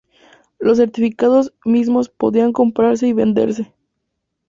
Los certificados mismos podían comprarse y venderse.